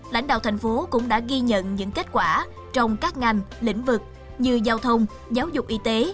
lãnh đạo thành phố cũng đã ghi nhận những kết quả trong các ngành lĩnh vực như giao thông giáo dục y tế